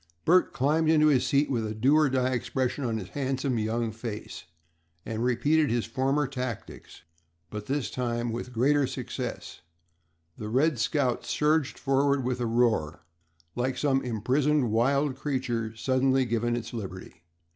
Bert climbed into his seat with a do or die expression on his handsome young face, and repeated his former tactics, but this time with greater success. The "Red Scout" surged forward with a roar, like some imprisoned wild creature suddenly given its liberty.